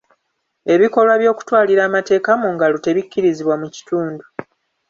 Ebikolwa by'okutwalira amateeka mu ngalo tebikkirizibwa mu kitundu.